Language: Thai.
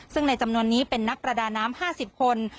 ซึ่งในจำนวนนี้เป็นนักประดาน้ำ๕๐คน